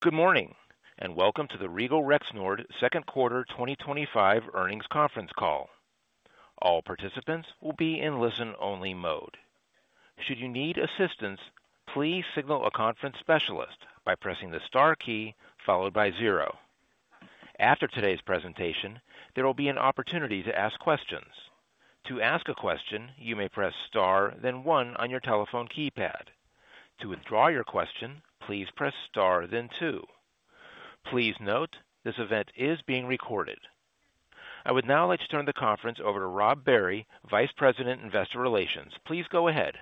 Good morning and welcome to the Regal Rexnord Second Quarter 2025 Earnings conference call. All participants will be in listen-only mode. Should you need assistance, please signal a conference specialist by pressing the star key followed by zero. After today's presentation, there will be an opportunity to ask questions. To ask a question, you may press star, then one on your telephone keypad. To withdraw your question, please press star, then two. Please note this event is being recorded. I would now like to turn the conference over to Rob Barry, Vice President, Investor Relations. Please go ahead.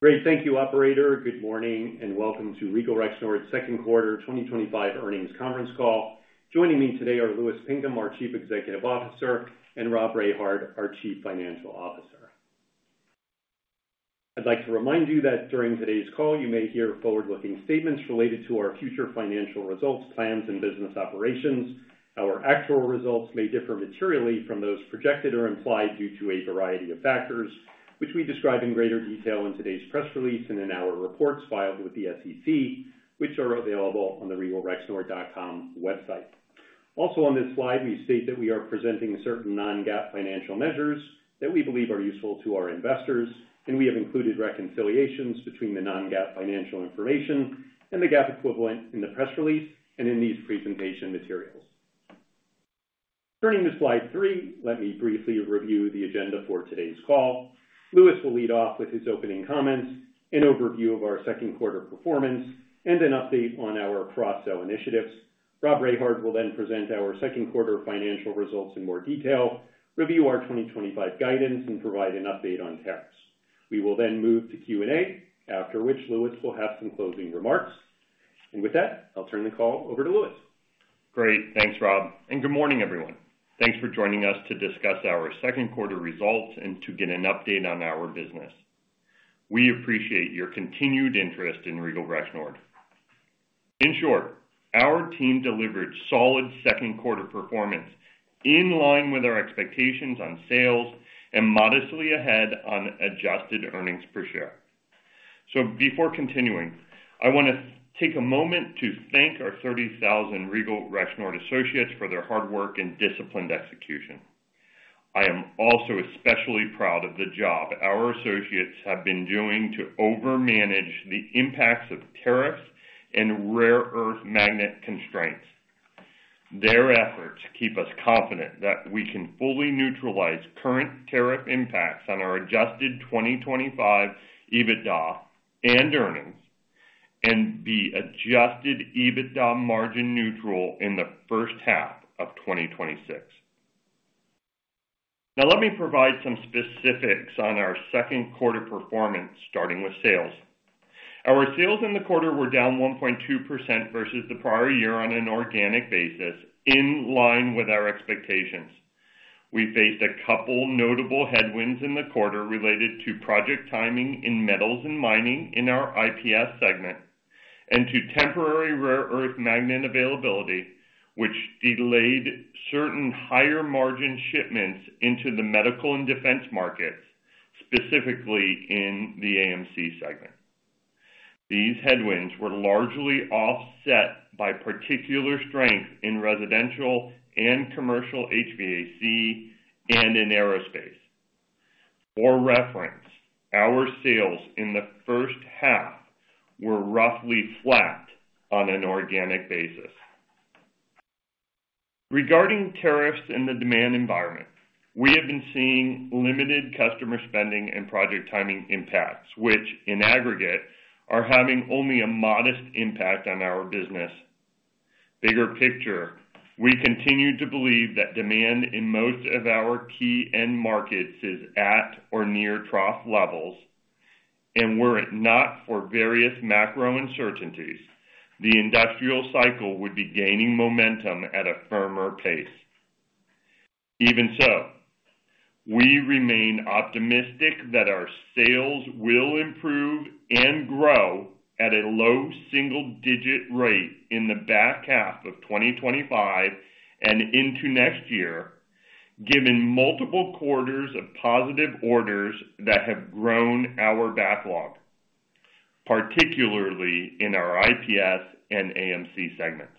Great, thank you, operator. Good morning and welcome to Regal Rexnord's second quarter 2025 earnings conference call. Joining me today are Louis Pinkham, our Chief Executive Officer, and Rob Rehard, our Chief Financial Officer. I'd like to remind you that during today's call, you may hear forward-looking statements related to our future financial results, plans, and business operations. Our actual results may differ materially from those projected or implied due to a variety of factors, which we describe in greater detail in today's press release and in our reports filed with the SEC, which are available on the regalrexnord.com website. Also, on this slide, we state that we are presenting certain non-GAAP financial measures that we believe are useful to our investors, and we have included reconciliations between the non-GAAP financial information and the GAAP equivalent in the press release and in these presentation materials. Turning to slide three, let me briefly review the agenda for today's call. Louis will lead off with his opening comments, an overview of our second quarter performance, and an update on our cross-sell initiatives. Rob Rehard will then present our second quarter financial results in more detail, review our 2025 guidance, and provide an update on tax. We will then move to Q&A, after which Louis will have some closing remarks. With that, I'll turn the call over to Louis. Great, thanks Rob, and good morning everyone. Thanks for joining us to discuss our second quarter results and to get an update on our business. We appreciate your continued interest in Regal Rexnord. In short, our team delivered solid second quarter performance in line with our expectations on sales and modestly ahead on adjusted EPS. Before continuing, I want to take a moment to thank our 30,000 Regal Rexnord associates for their hard work and disciplined execution. I am also especially proud of the job our associates have been doing to overmanage the impacts of tariffs and rare earth magnet constraints. Their efforts keep us confident that we can fully neutralize current tariff impacts on our adjusted 2025 EBITDA and earnings and be adjusted EBITDA margin neutral in the first half of 2026. Now let me provide some specifics on our second quarter performance, starting with sales. Our sales in the quarter were down 1.2% versus the prior year on an organic basis, in line with our expectations. We faced a couple notable headwinds in the quarter related to project timing in metals and mining in our IPS segment and to temporary rare earth magnet availability, which delayed certain higher margin shipments into the medical and defense markets, specifically in the AMC segment. These headwinds were largely offset by particular strength in residential and commercial HVAC and in aerospace. For reference, our sales in the first half were roughly flat on an organic basis. Regarding tariffs and the demand environment, we have been seeing limited customer spending and project timing impacts, which in aggregate are having only a modest impact on our business. Bigger picture, we continue to believe that demand in most of our key end markets is at or near trough levels, and were it not for various macro uncertainties, the industrial cycle would be gaining momentum at a firmer pace. Even so, we remain optimistic that our sales will improve and grow at a low single-digit rate in the back half of 2025 and into next year, given multiple quarters of positive orders that have grown our backlog, particularly in our IPS and AMC segments.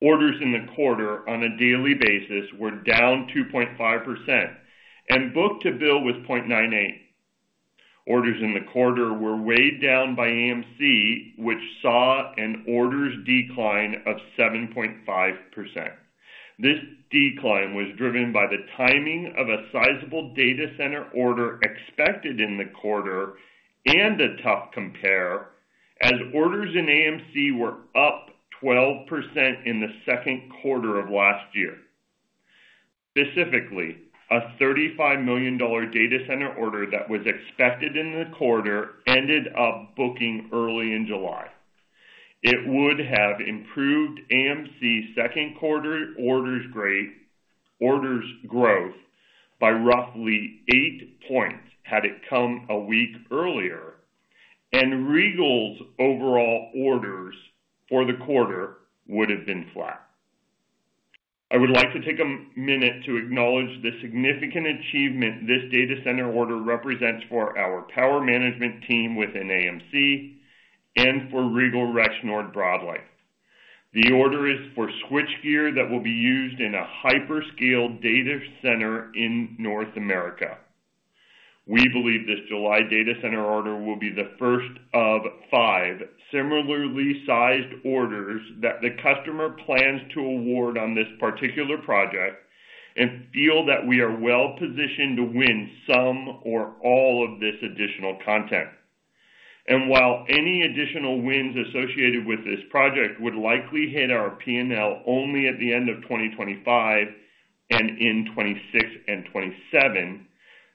Orders in the quarter on a daily basis were down 2.5% and book to bill was 0.98. Orders in the quarter were weighed down by AMC, which saw an orders decline of 7.5%. This decline was driven by the timing of a sizable data center order expected in the quarter and a tough compare, as orders in AMC were up 12% in the second quarter of last year. Specifically, a $35 million data center order that was expected in the quarter ended up booking early in July. It would have improved AMC's second quarter orders growth by roughly eight points had it come a week earlier, and Regal Rexnord's overall orders for the quarter would have been flat. I would like to take a minute to acknowledge the significant achievement this data center order represents for our power management team within AMC and for Regal Rexnord broadly. The order is for switchgear that will be used in a hyperscale data center in North America. We believe this July data center order will be the first of five similarly sized orders that the customer plans to award on this particular project and feel that we are well positioned to win some or all of this additional content. While any additional wins associated with this project would likely hit our P&L only at the end of 2025 and in 2026 and 2027,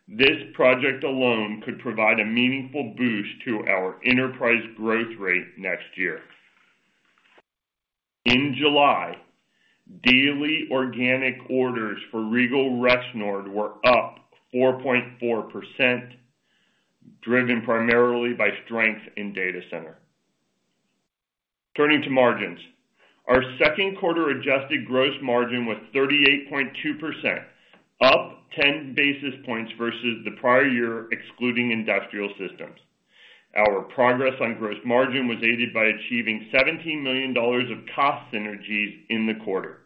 this project alone could provide a meaningful boost to our enterprise growth rate next year. In July, daily organic orders for Regal Rexnord were up 4.4%, driven primarily by strength in data center. Turning to margins, our second quarter adjusted gross margin was 38.2%, up 10 basis points versus the prior year, excluding industrial systems. Our progress on gross margin was aided by achieving $17 million of cost synergies in the quarter.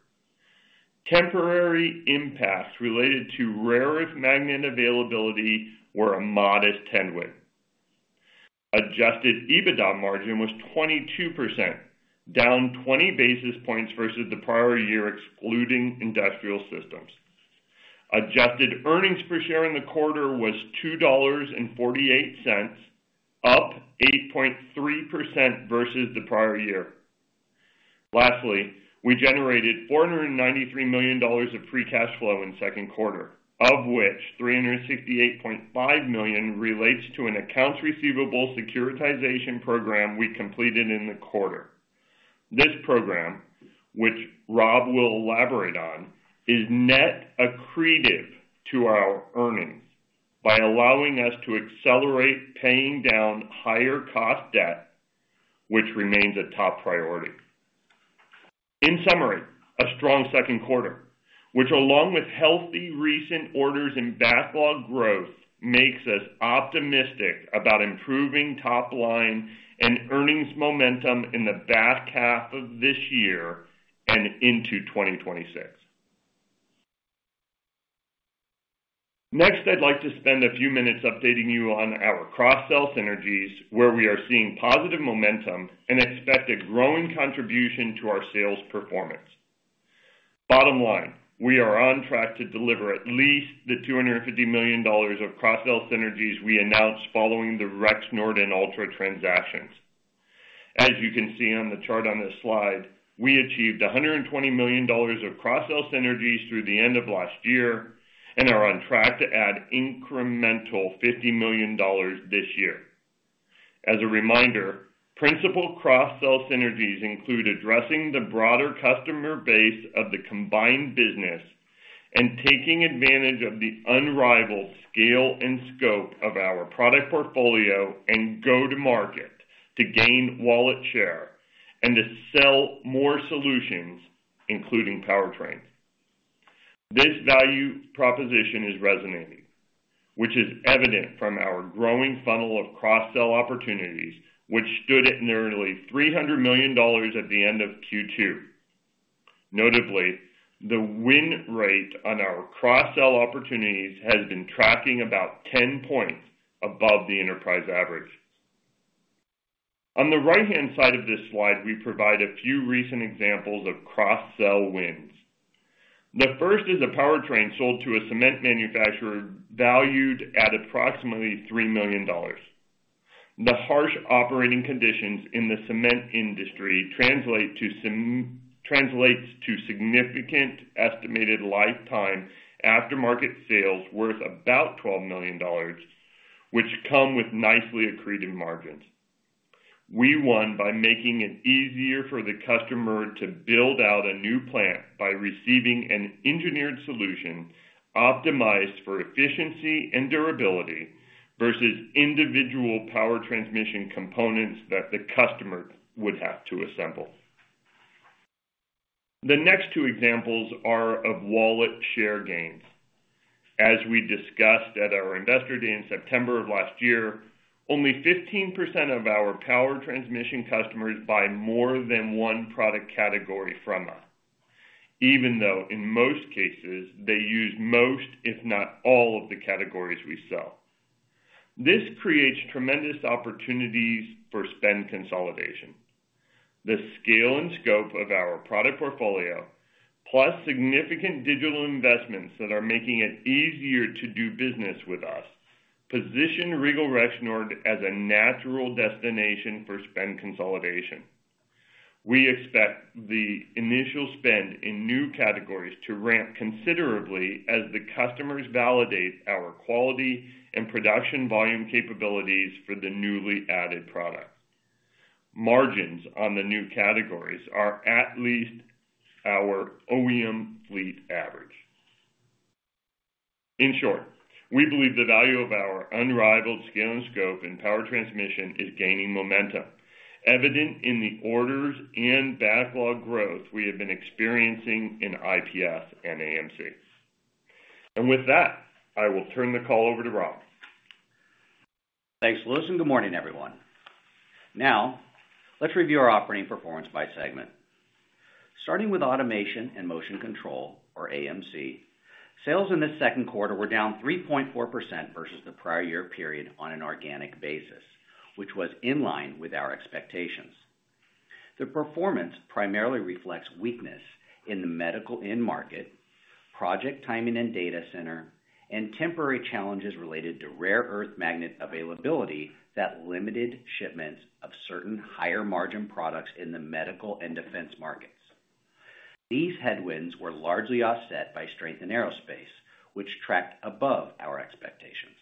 Temporary impacts related to rare earth magnet availability were a modest headwind. Adjusted EBITDA margin was 22%, down 20 basis points versus the prior year, excluding industrial systems. Adjusted EPS in the quarter was $2.48, up 8.3% versus the prior year. Lastly, we generated $493 million of free cash flow in the second quarter, of which $368.5 million relates to an accounts receivable securitization program we completed in the quarter. This program, which Rob will elaborate on, is net accretive to our earnings by allowing us to accelerate paying down higher cost debt, which remains a top priority. In summary, a strong second quarter, which along with healthy recent orders and backlog growth, makes us optimistic about improving top line and earnings momentum in the back half of this year and into 2026. Next, I'd like to spend a few minutes updating you on our cross-sell synergies, where we are seeing positive momentum and expect a growing contribution to our sales performance. Bottom line, we are on track to deliver at least the $250 million of cross-sell synergies we announced following the Rexnord and Ultra transactions. As you can see on the chart on this slide, we achieved $120 million of cross-sell synergies through the end of last year and are on track to add incremental $50 million this year. As a reminder, principal cross-sell synergies include addressing the broader customer base of the combined business and taking advantage of the unrivaled scale and scope of our product portfolio and go-to-market to gain wallet share and to sell more solutions, including powertrains. This value proposition is resonating, which is evident from our growing funnel of cross-sell opportunities, which stood at nearly $300 million at the end of Q2. Notably, the win rate on our cross-sell opportunities has been tracking about 10 points above the enterprise average. On the right-hand side of this slide, we provide a few recent examples of cross-sell wins. The first is a powertrain sold to a cement manufacturer valued at approximately $3 million. The harsh operating conditions in the cement industry translate to significant estimated lifetime aftermarket sales worth about $12 million, which come with nicely accreted margins. We won by making it easier for the customer to build out a new plant by receiving an engineered solution optimized for efficiency and durability versus individual power transmission components that the customer would have to assemble. The next two examples are of wallet share gains. As we discussed at our investor day in September of last year, only 15% of our power transmission customers buy more than one product category from us, even though in most cases they use most, if not all, of the categories we sell. This creates tremendous opportunities for spend consolidation. The scale and scope of our product portfolio, plus significant digital investments that are making it easier to do business with us, position Regal Rexnord as a natural destination for spend consolidation. We expect the initial spend in new categories to ramp considerably as the customers validate our quality and production volume capabilities for the newly added product. Margins on the new categories are at least our OEM fleet average. In short, we believe the value of our unrivaled scale and scope in power transmission is gaining momentum, evident in the orders and backlog growth we have been experiencing in IPS and AMC. With that, I will turn the call over to Rob. Thanks, Louis, and good morning everyone. Now, let's review our operating performance by segment. Starting with Automation and Motion Control, or AMC, sales in this second quarter were down 3.4% versus the prior year period on an organic basis, which was in line with our expectations. The performance primarily reflects weakness in the medical in-market, project timing in data center, and temporary challenges related to rare earth magnet availability that limited shipments of certain higher margin products in the medical and defense markets. These headwinds were largely offset by strength in aerospace, which tracked above our expectations.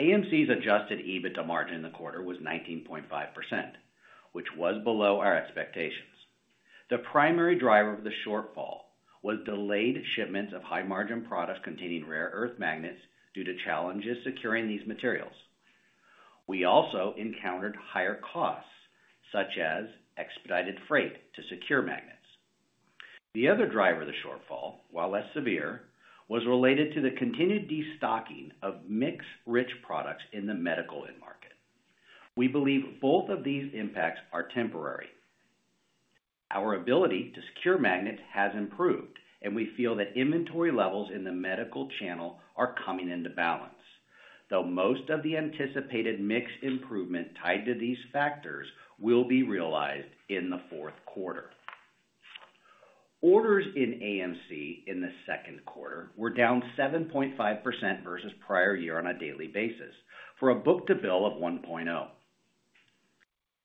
AMC's adjusted EBITDA margin in the quarter was 19.5%, which was below our expectations. The primary driver of the shortfall was delayed shipments of high-margin products containing rare earth magnets due to challenges securing these materials. We also encountered higher costs, such as expedited freight to secure magnets. The other driver of the shortfall, while less severe, was related to the continued destocking of mix-rich products in the medical in-market. We believe both of these impacts are temporary. Our ability to secure magnets has improved, and we feel that inventory levels in the medical channel are coming into balance, though most of the anticipated mix improvement tied to these factors will be realized in the fourth quarter. Orders in AMC in the second quarter were down 7.5% versus prior year on a daily basis for a book-to-bill of 1.0.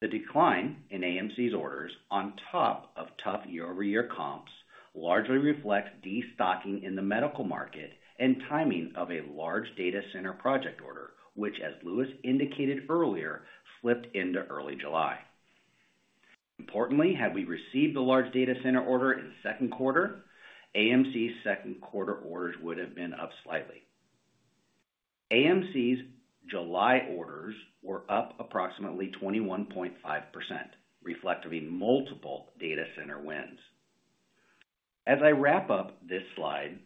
The decline in AMC's orders, on top of tough year-over-year comps, largely reflects destocking in the medical market and timing of a large data center project order, which, as Louis indicated earlier, slipped into early July. Importantly, had we received the large data center order in the second quarter, AMC's second quarter orders would have been up slightly. AMC's July orders were up approximately 21.5%, reflecting multiple data center wins. As I wrap up this slide,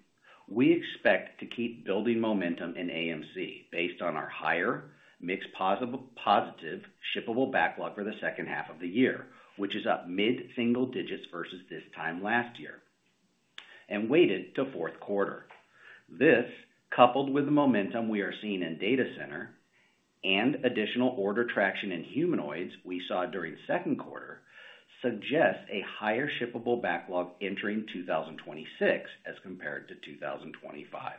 we expect to keep building momentum in AMC based on our higher mix positive shippable backlog for the second half of the year, which is up mid-single digits versus this time last year and weighted to fourth quarter. This, coupled with the momentum we are seeing in data center and additional order traction in humanoids we saw during the second quarter, suggests a higher shippable backlog entering 2026 as compared to 2025.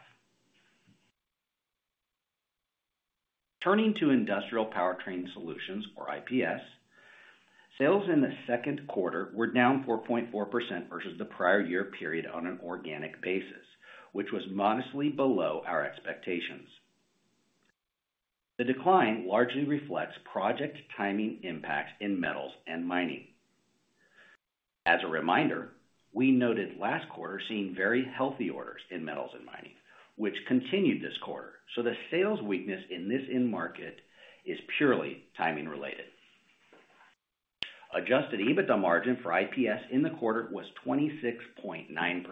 Turning to Industrial Powertrain Solutions, or IPS, sales in the second quarter were down 4.4% versus the prior year period on an organic basis, which was modestly below our expectations. The decline largely reflects project timing impacts in metals and mining. As a reminder, we noted last quarter seeing very healthy orders in metals and mining, which continued this quarter, so the sales weakness in this in-market is purely timing related. Adjusted EBITDA margin for IPS in the quarter was 26.9%,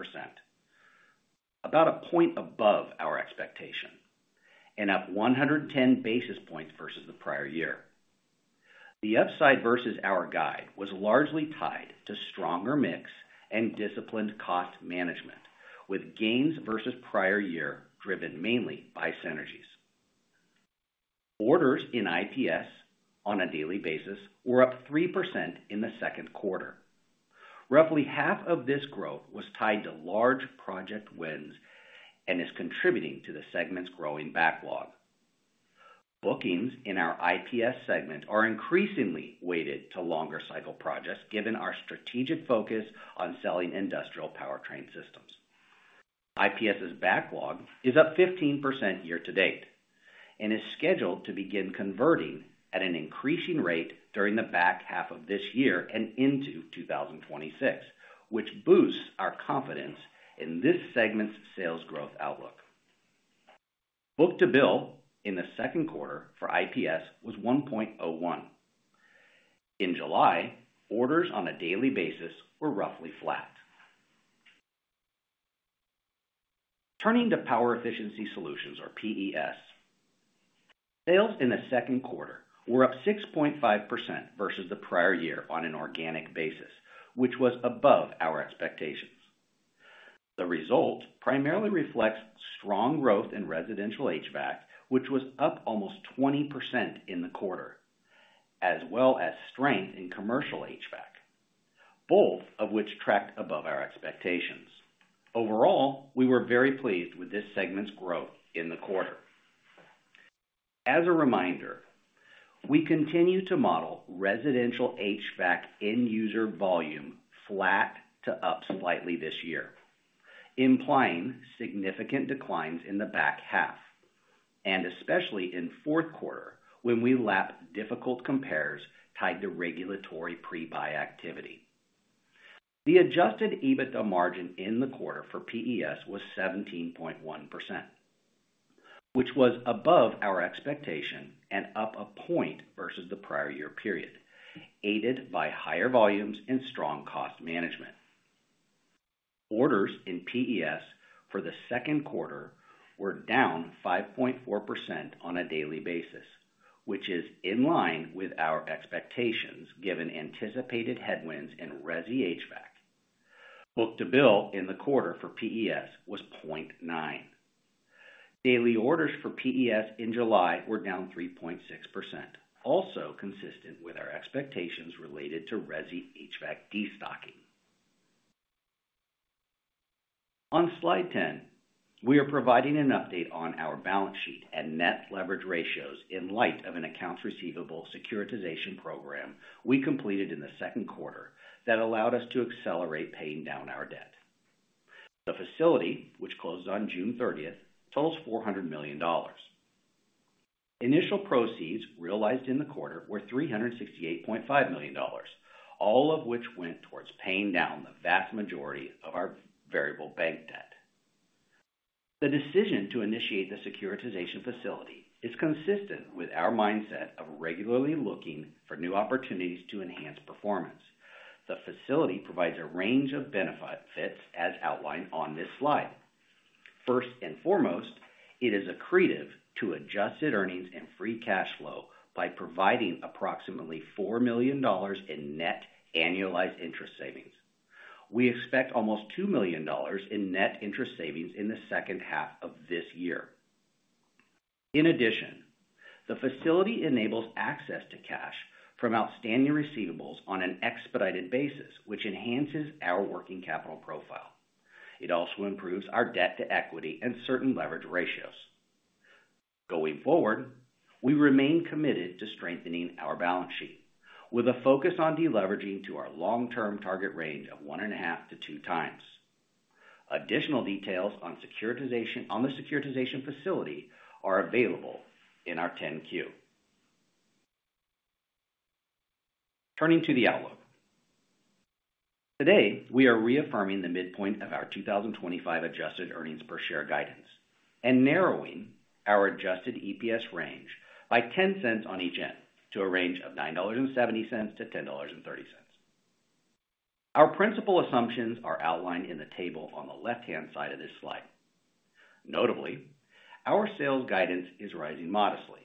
about a point above our expectation, and up 110 basis points versus the prior year. The upside versus our guide was largely tied to stronger mix and disciplined cost management, with gains versus prior year driven mainly by synergies. Orders in IPS on a daily basis were up 3% in the second quarter. Roughly half of this growth was tied to large project wins and is contributing to the segment's growing backlog. Bookings in our IPS segment are increasingly weighted to longer cycle projects, given our strategic focus on selling industrial powertrain systems. IPS's backlog is up 15% year-to-date and is scheduled to begin converting at an increasing rate during the back half of this year and into 2026, which boosts our confidence in this segment's sales growth outlook. Book-to-bill in the second quarter for IPS was 1.01. In July, orders on a daily basis were roughly flat. Turning to Power Efficiency Solutions, or PES, sales in the second quarter were up 6.5% versus the prior year on an organic basis, which was above our expectations. The result primarily reflects strong growth in residential HVAC, which was up almost 20% in the quarter, as well as strength in commercial HVAC, both of which tracked above our expectations. Overall, we were very pleased with this segment's growth in the quarter. As a reminder, we continue to model residential HVAC end-user volume flat to up slightly this year, implying significant declines in the back half, and especially in the fourth quarter when we lapped difficult compares tied to regulatory pre-buy activity. The adjusted EBITDA margin in the quarter for PES was 17.1%, which was above our expectation and up a point versus the prior year period, aided by higher volumes and strong cost management. Orders in PES for the second quarter were down 5.4% on a daily basis, which is in line with our expectations given anticipated headwinds in resi HVAC. Book-to-bill in the quarter for PES was 0.9. Daily orders for PES in July were down 3.6%, also consistent with our expectations related to resi HVAC destocking. On slide 10, we are providing an update on our balance sheet and net leverage ratios in light of an accounts receivable securitization program we completed in the second quarter that allowed us to accelerate paying down our debt. The facility, which closed on June 30th, totals $400 million. Initial proceeds realized in the quarter were $368.5 million, all of which went towards paying down the vast majority of our variable bank debt. The decision to initiate the securitization facility is consistent with our mindset of regularly looking for new opportunities to enhance performance. The facility provides a range of benefits as outlined on this slide. First and foremost, it is accretive to adjusted earnings and free cash flow by providing approximately $4 million in net annualized interest savings. We expect almost $2 million in net interest savings in the second half of this year. In addition, the facility enables access to cash from outstanding receivables on an expedited basis, which enhances our working capital profile. It also improves our debt-to-equity and certain leverage ratios. Going forward, we remain committed to strengthening our balance sheet with a focus on deleveraging to our long-term target range of 1.5 to 2 times. Additional details on the securitization facility are available in our 10-Q. Turning to the outlook, today we are reaffirming the midpoint of our 2025 adjusted earnings per share guidance and narrowing our adjusted EPS range by $0.10 on each end to a range of $9.70-$10.30. Our principal assumptions are outlined in the table on the left-hand side of this slide. Notably, our sales guidance is rising modestly,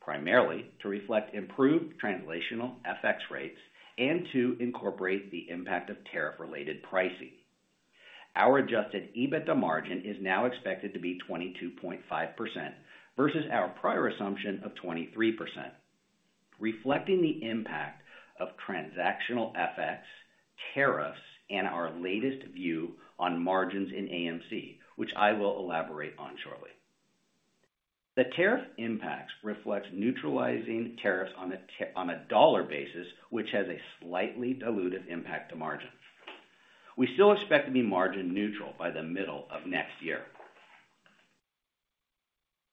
primarily to reflect improved translational FX rates and to incorporate the impact of tariff-related pricing. Our adjusted EBITDA margin is now expected to be 22.5% versus our prior assumption of 23%, reflecting the impact of transactional FX, tariffs, and our latest view on margins in AMC, which I will elaborate on shortly. The tariff impacts reflect neutralizing tariffs on a dollar basis, which has a slightly dilutive impact to margins. We still expect to be margin neutral by the middle of next year.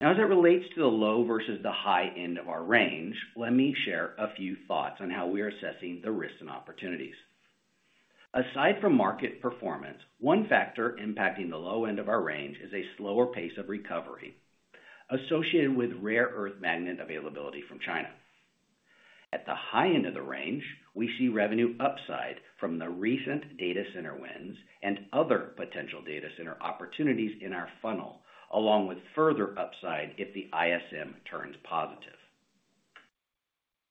Now, as it relates to the low versus the high end of our range, let me share a few thoughts on how we're assessing the risks and opportunities. Aside from market performance, one factor impacting the low end of our range is a slower pace of recovery associated with rare earth magnet availability from China. At the high end of the range, we see revenue upside from the recent data center wins and other potential data center opportunities in our funnel, along with further upside if the ISM turns positive.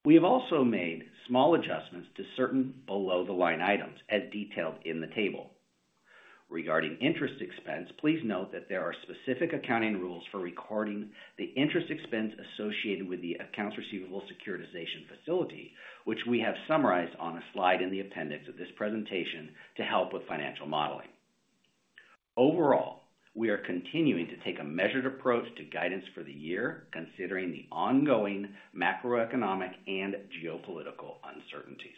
We have also made small adjustments to certain below-the-line items, as detailed in the table. Regarding interest expense, please note that there are specific accounting rules for recording the interest expense associated with the accounts receivable securitization facility, which we have summarized on a slide in the appendix of this presentation to help with financial modeling. Overall, we are continuing to take a measured approach to guidance for the year, considering the ongoing macroeconomic and geopolitical uncertainties.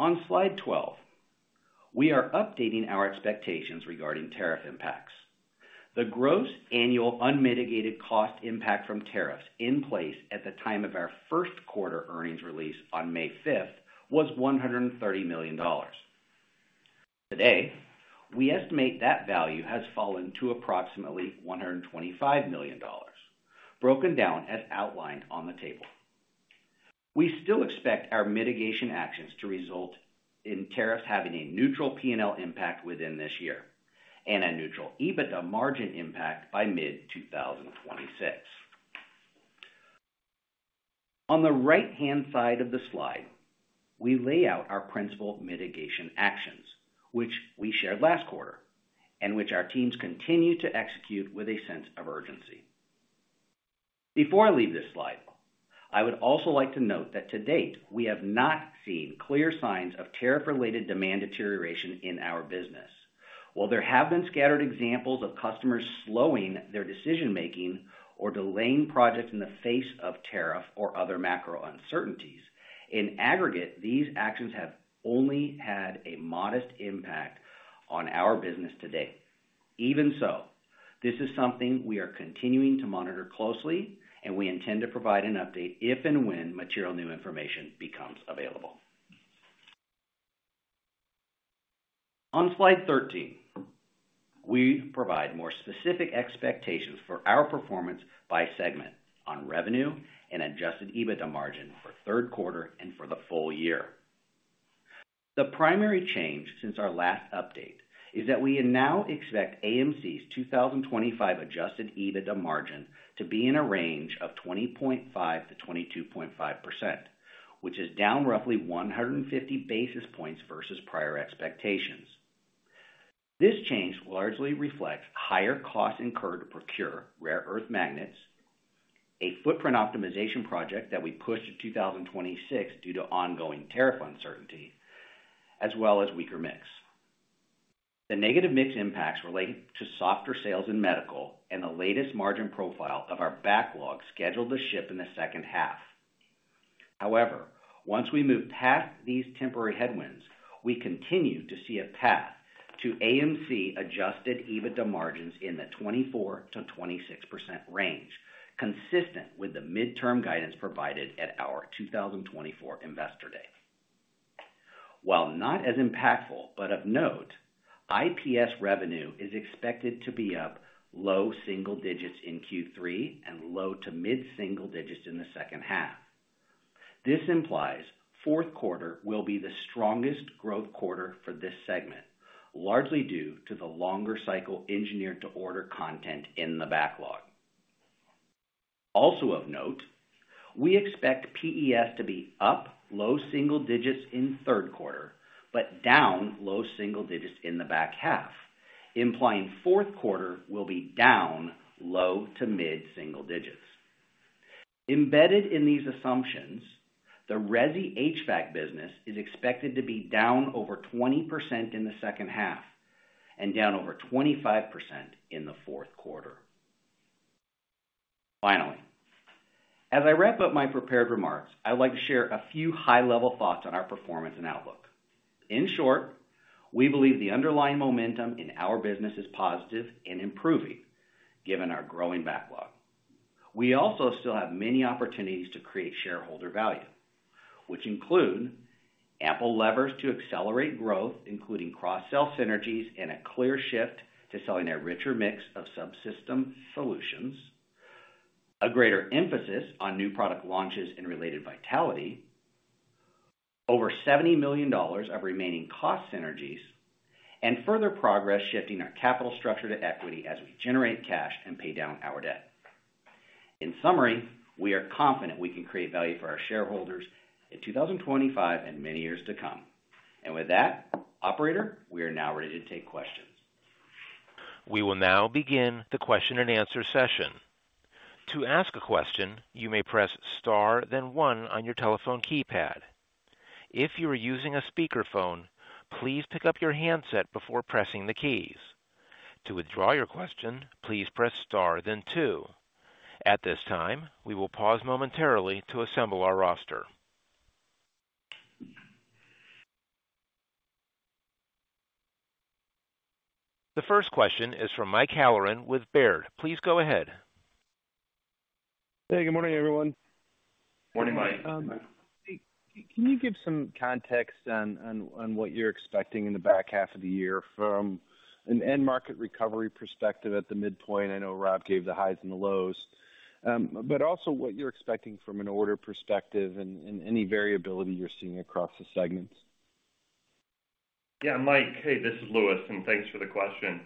On slide 12, we are updating our expectations regarding tariff impacts. The gross annual unmitigated cost impact from tariffs in place at the time of our first quarter earnings release on May 5th was $130 million. Today, we estimate that value has fallen to approximately $125 million, broken down as outlined on the table. We still expect our mitigation actions to result in tariffs having a neutral P&L impact within this year and a neutral EBITDA margin impact by mid-2026. On the right-hand side of the slide, we lay out our principal mitigation actions, which we shared last quarter and which our teams continue to execute with a sense of urgency. Before I leave this slide, I would also like to note that to date we have not seen clear signs of tariff-related demand deterioration in our business. While there have been scattered examples of customers slowing their decision-making or delaying projects in the face of tariff or other macro uncertainties, in aggregate, these actions have only had a modest impact on our business today. Even so, this is something we are continuing to monitor closely, and we intend to provide an update if and when material new information becomes available. On slide 13, we provide more specific expectations for our performance by segment on revenue and adjusted EBITDA margin for the third quarter and for the full year. The primary change since our last update is that we now expect AMC's 2025 adjusted EBITDA margin to be in a range of 20.5%-22.5%, which is down roughly 150 basis points versus prior expectations. This change largely reflects higher costs incurred to procure rare earth magnets, a footprint optimization project that we pushed to 2026 due to ongoing tariff uncertainty, as well as weaker mix. The negative mix impacts relate to softer sales in medical and the latest margin profile of our backlog scheduled to ship in the second half. However, once we move past these temporary headwinds, we continue to see a path to AMC adjusted EBITDA margins in the 24%-26% range, consistent with the midterm guidance provided at our 2024 investor day. While not as impactful, but of note, IPS revenue is expected to be up low single digits in Q3 and low to mid-single digits in the second half. This implies the fourth quarter will be the strongest growth quarter for this segment, largely due to the longer cycle engineered to order content in the backlog. Also of note, we expect PES to be up low single digits in the third quarter, but down low single digits in the back half, implying the fourth quarter will be down low to mid-single digits. Embedded in these assumptions, the resi HVAC business is expected to be down over 20% in the second half and down over 25% in the fourth quarter. Finally, as I wrap up my prepared remarks, I'd like to share a few high-level thoughts on our performance and outlook. In short, we believe the underlying momentum in our business is positive and improving, given our growing backlog. We also still have many opportunities to create shareholder value, which include ample levers to accelerate growth, including cross-sell synergies and a clear shift to selling a richer mix of subsystem solutions, a greater emphasis on new product launches and related vitality, over $70 million of remaining cost synergies, and further progress shifting our capital structure to equity as we generate cash and pay down our debt. In summary, we are confident we can create value for our shareholders in 2025 and many years to come. With that, operator, we are now ready to take questions. We will now begin the question and answer session. To ask a question, you may press star, then one on your telephone keypad. If you are using a speakerphone, please pick up your handset before pressing the keys. To withdraw your question, please press star, then two. At this time, we will pause momentarily to assemble our roster. The first question is from Mike Halloran with Baird. Please go ahead. Hey, good morning everyone. Morning buddy. Can you give some context on what you're expecting in the back half of the year from an end market recovery perspective at the midpoint? I know Rob gave the highs and the lows, but also what you're expecting from an order perspective and any variability you're seeing across the segments. Yeah, Mike, hey, this is Louis and thanks for the question.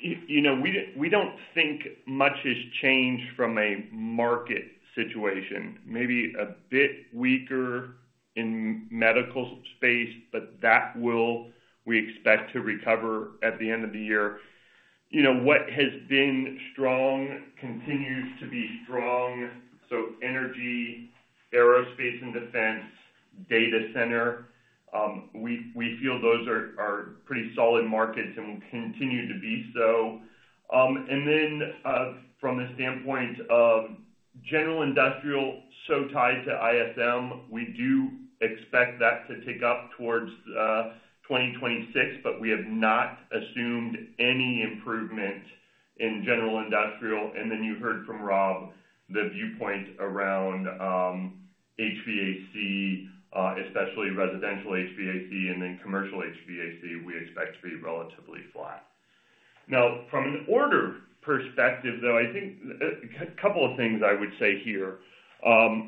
You know, we don't think much has changed from a market situation, maybe a bit weaker in the medical space, but that we expect to recover at the end of the year. You know, what has been strong continues to be strong, so energy, aerospace, and defense, data center. We feel those are pretty solid markets and will continue to be so. From the standpoint of general industrial, so tied to ISM, we do expect that to tick up towards 2026, but we have not assumed any improvement in general industrial. You heard from Rob the viewpoint around HVAC, especially residential HVAC and then commercial HVAC, we expect to be relatively flat. Now, from an order perspective, I think a couple of things I would say here.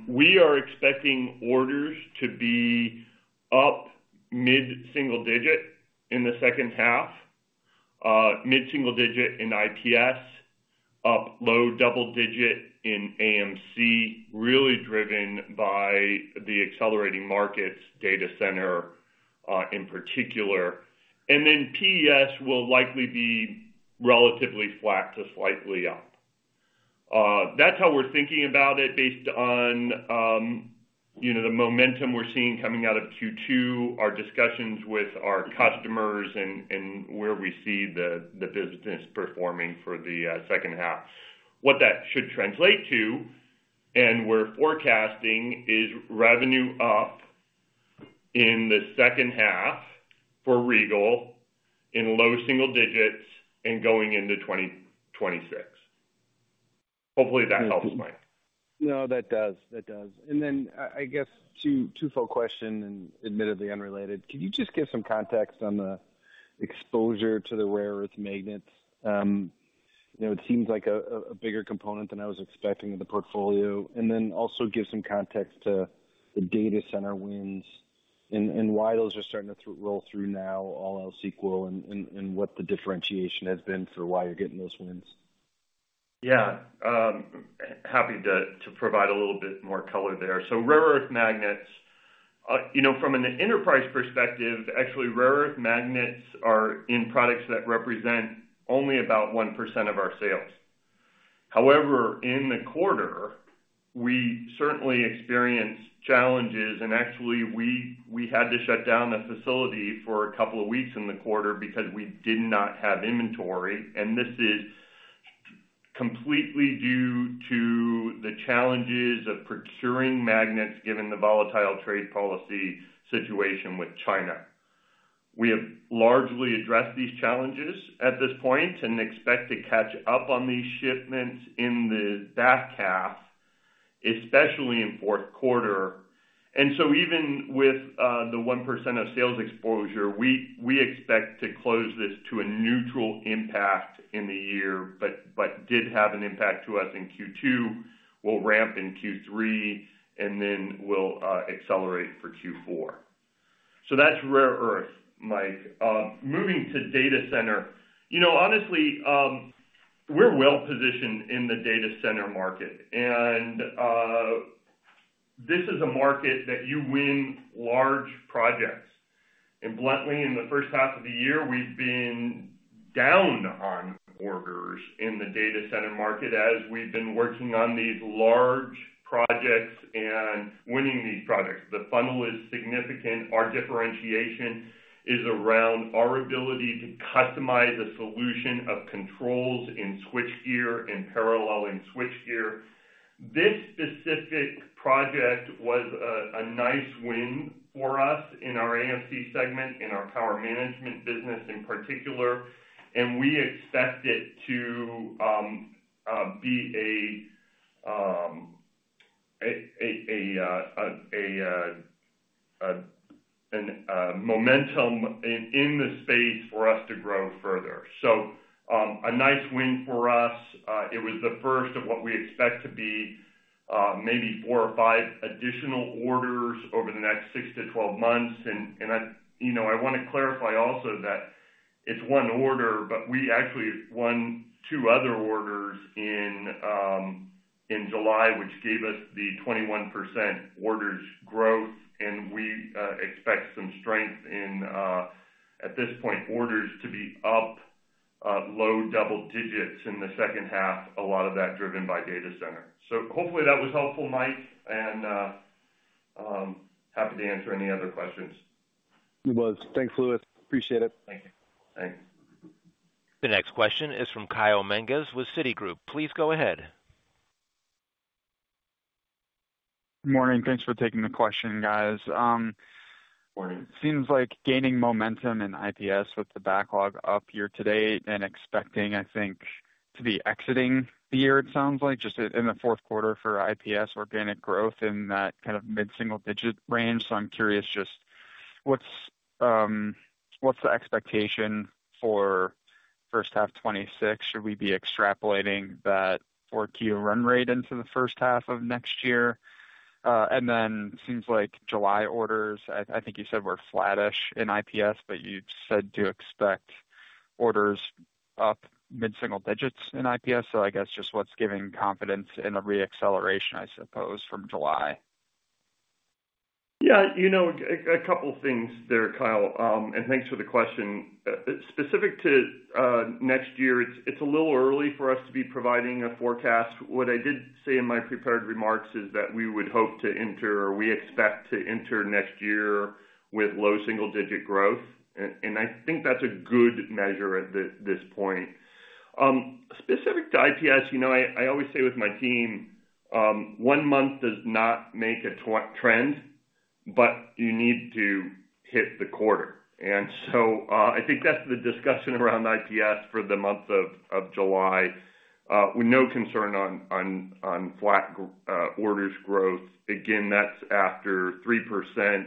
We are expecting orders to be up mid-single digit in the second half, mid-single digit in IPS, up low double digit in AMC, really driven by the accelerating markets, data center in particular. PES will likely be relatively flat to slightly up. That's how we're thinking about it based on the momentum we're seeing coming out of Q2, our discussions with our customers, and where we see the business performing for the second half. What that should translate to and we're forecasting is revenue up in the second half for Regal Rexnord in low single digits and going into 2026. Hopefully, that helps, Mike. That does. I guess twofold question and admittedly unrelated. Can you just give some context on the exposure to the rare earth magnets? You know, it seems like a bigger component than I was expecting in the portfolio. Also, give some context to the data center wins and why those are starting to roll through now, all else equal, and what the differentiation has been for why you're getting those wins. Yeah, happy to provide a little bit more color there. Rare earth magnets, you know, from an enterprise perspective, actually, rare earth magnets are in products that represent only about 1% of our sales. However, in the quarter, we certainly experienced challenges, and actually, we had to shut down a facility for a couple of weeks in the quarter because we did not have inventory. This is completely due to the challenges of procuring magnets, given the volatile trade policy situation with China. We have largely addressed these challenges at this point and expect to catch up on these shipments in the back half, especially in the fourth quarter. Even with the 1% of sales exposure, we expect to close this to a neutral impact in the year, but did have an impact to us in Q2. We'll ramp in Q3, and then we'll accelerate for Q4. That's rare earth, Mike. Moving to data center, you know, honestly, we're well positioned in the data center market. This is a market that you win large projects. Bluntly, in the first half of the year, we've been down on orders in the data center market as we've been working on these large projects and winning these projects. The funnel is significant. Our differentiation is around our ability to customize a solution of controls in switchgear and parallel in switchgear. This specific project was a nice win for us in our AMC segment, in our power management business in particular. We expect it to be a momentum in the space for us to grow further. A nice win for us. It was the first of what we expect to be, maybe four or five additional orders over the next six to 12 months. I want to clarify also that it's one order, but we actually won two other orders in July, which gave us the 21% orders growth. We expect some strength in, at this point, orders to be up low double digits in the second half, a lot of that driven by data center. Hopefully that was helpful, Mike. Happy to answer any other questions. It was. Thanks, Louis. Appreciate it. Thank you. Thanks. The next question is from Kyle Menges with Citigroup. Please go ahead. Good morning. Thanks for taking the question, guys. It seems like gaining momentum in IPS with the backlog up year-to-date and expecting, I think, to be exiting the year, it sounds like, just in the fourth quarter for IPS organic growth in that kind of mid-single digit range. I'm curious, just what's the expectation for first half 2026? Should we be extrapolating that fourth quarter run rate into the first half of next year? It seems like July orders, I think you said were flattish in IPS, but you said to expect orders up mid-single digits in IPS. I guess just what's giving confidence in a reacceleration, I suppose, from July? Yeah, you know, a couple of things there, Kyle. Thanks for the question. Specific to next year, it's a little early for us to be providing a forecast. What I did say in my prepared remarks is that we would hope to enter, or we expect to enter next year with low single-digit growth. I think that's a good measure at this point. Specific to IPS, I always say with my team, one month does not make a trend, but you need to hit the quarter. I think that's the discussion around IPS for the month of July, with no concern on flat orders growth. That's after 3%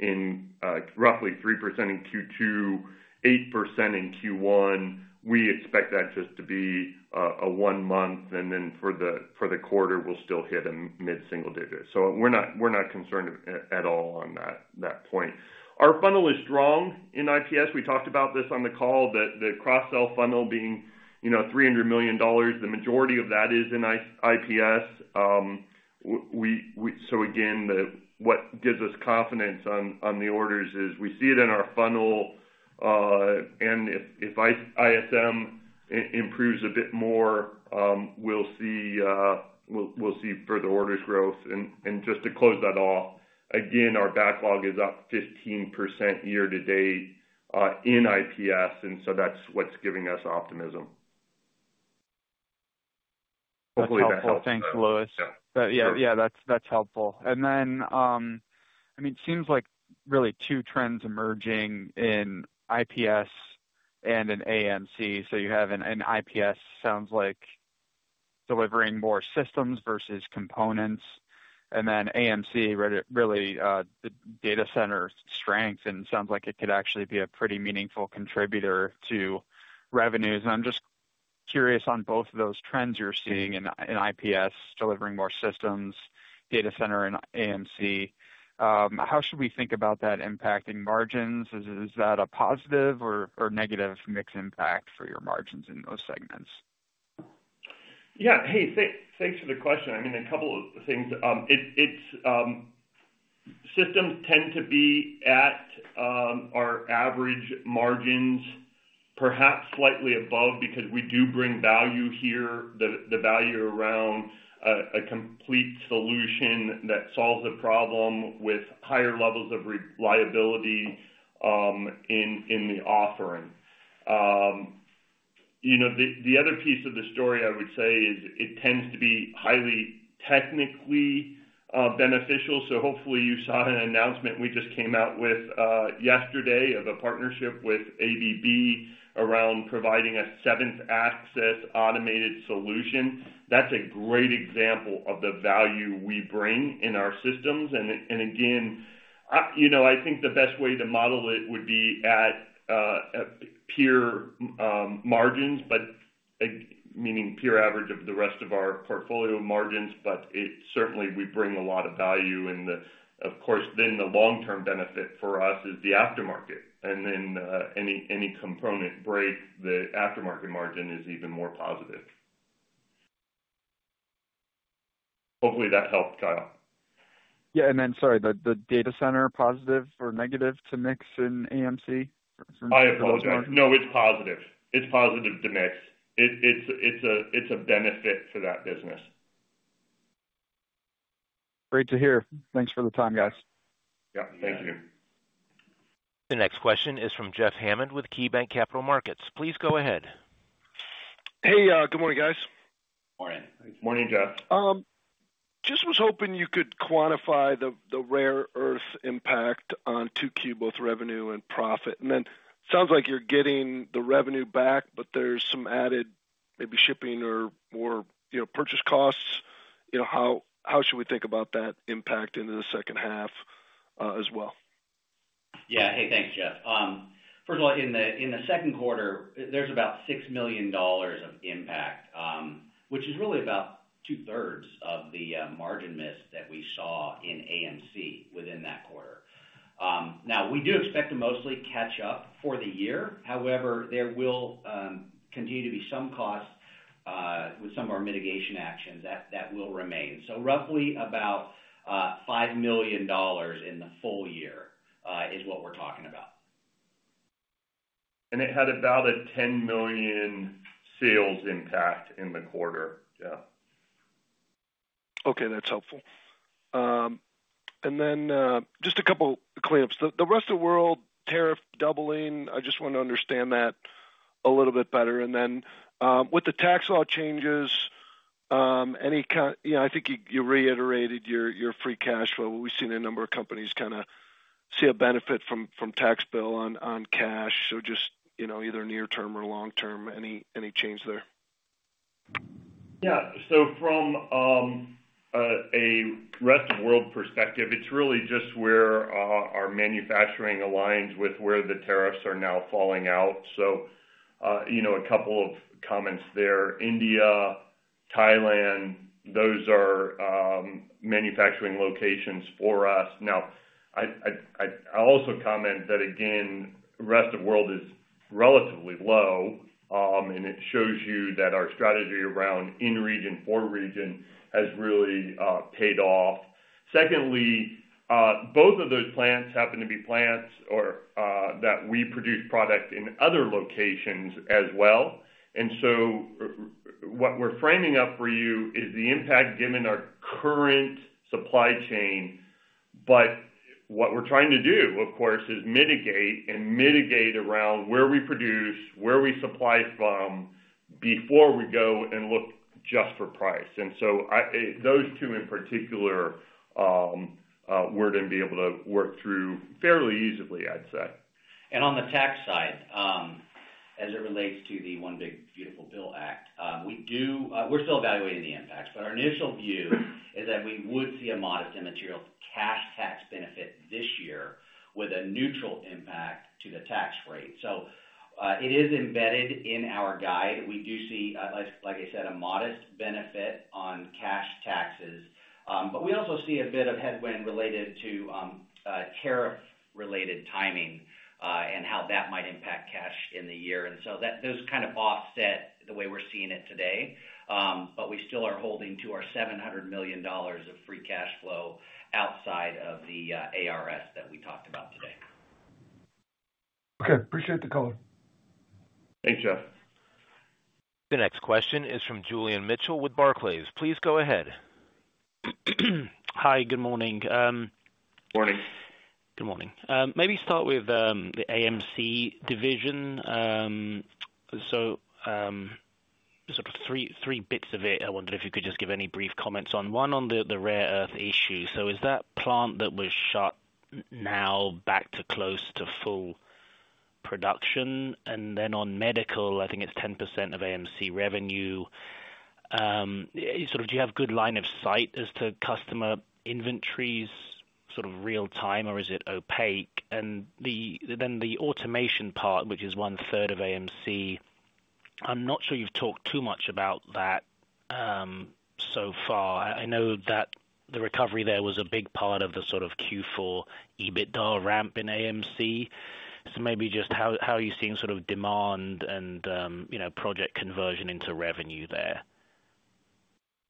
in roughly 3% in Q2, 8% in Q1. We expect that just to be a one month, and then for the quarter, we'll still hit a mid-single digit. We're not concerned at all on that point. Our funnel is strong in IPS. We talked about this on the call, the cross-sell funnel being $300 million. The majority of that is in IPS. What gives us confidence on the orders is we see it in our funnel. If ISM improves a bit more, we'll see further orders growth. Just to close that off, our backlog is up 15% year-to-date in IPS. That's what's giving us optimism. That's helpful. Thanks, Louis. That's helpful. It seems like really two trends emerging in IPS and in AMC. You have in IPS, sounds like, delivering more systems versus components. In AMC, really, the data center strength, and it sounds like it could actually be a pretty meaningful contributor to revenues. I'm just curious on both of those trends you're seeing in IPS, delivering more systems, data center, and AMC. How should we think about that impacting margins? Is that a positive or negative mixed impact for your margins in those segments? Yeah. Hey, thanks for the question. I mean, a couple of things. Systems tend to be at our average margins, perhaps slightly above because we do bring value here, the value around a complete solution that solves the problem with higher levels of reliability in the offering. The other piece of the story I would say is it tends to be highly technically beneficial. Hopefully you saw an announcement we just came out with yesterday of a partnership with ABB around providing a seventh axis automated solution. That's a great example of the value we bring in our systems. I think the best way to model it would be at peer margins, meaning peer average of the rest of our portfolio margins. It certainly would bring a lot of value. Of course, the long-term benefit for us is the aftermarket. Any component break, the aftermarket margin is even more positive. Hopefully that helped, Kyle. Yeah, sorry, the data center positive or negative to mix in AMC? No, it's positive. It's positive to mix. It's a benefit to that business. Great to hear. Thanks for the time, guys. Thank you. The next question is from Jeff Hammond with KeyBanc Capital Markets. Please go ahead. Hey, good morning, guys. Morning. Morning, Jeff. Just was hoping you could quantify the rare earth impact on 2Q, both revenue and profit. It sounds like you're getting the revenue back, but there's some added maybe shipping or more purchase costs. How should we think about that impact into the second half as well? Yeah, hey, thanks, Jeff. First of all, in the second quarter, there's about $6 million of impact, which is really about 2/3 of the margin miss that we saw in AMC within that quarter. We do expect to mostly catch up for the year. However, there will continue to be some costs with some of our mitigation actions that will remain. Roughly about $5 million in the full year is what we're talking about. It had about a $10 million sales impact in the quarter. Okay, that's helpful. Just a couple of clamps. The rest of the world, tariff doubling, I just want to understand that a little bit better. With the tax law changes, any kind of, you know, I think you reiterated your free cash flow. We've seen a number of companies kind of see a benefit from tax bill on cash. Just, you know, either near-term or long-term, any change there? Yeah. From a rest of the world perspective, it's really just where our manufacturing aligns with where the tariffs are now falling out. A couple of comments there. India, Thailand, those are manufacturing locations for us. I'll also comment that, again, the rest of the world is relatively low. It shows you that our strategy around in-region for region has really paid off. Secondly, both of those plants happen to be plants that we produce product in other locations as well. What we're framing up for you is the impact given our current supply chain. What we're trying to do, of course, is mitigate and mitigate around where we produce, where we supply from before we go and look just for price. Those two in particular, we're going to be able to work through fairly easily, I'd say. On the tax side, as it relates to the One Big Beautiful Bill Act, we're still evaluating the impacts. Our initial view is that we would see a modest immaterial cash tax benefit this year with a neutral impact to the tax rate. It is embedded in our guide. We do see, like I said, a modest benefit on cash taxes. We also see a bit of headwind related to tariff-related timing and how that might impact cash in the year. That does kind of offset the way we're seeing it today. We still are holding to our $700 million of free cash flow outside of the ARS that we talked about today. Okay, appreciate the call. Thanks, Jeff. The next question is from Julian Mitchell with Barclays. Please go ahead. Hi, good morning. Morning. Good morning. Maybe start with the AMC division. There's sort of three bits of it. I wonder if you could just give any brief comments on one on the rare earth issue. Is that plant that was shut now back to close to full production? On medical, I think it's 10% of AMC revenue. Do you have a good line of sight as to customer inventories real-time, or is it opaque? The automation part, which is one-third of AMC, I'm not sure you've talked too much about that so far. I know that the recovery there was a big part of the Q4 EBITDA ramp in AMC. Maybe just how are you seeing demand and project conversion into revenue there?